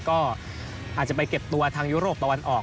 ก็อาจจะไปเก็บตัวทางยุโรปตะวันออก